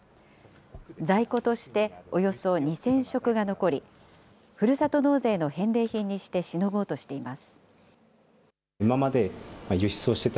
在庫としておよそ２０００食が残り、ふるさと納税の返礼品にしてしのごうとしています。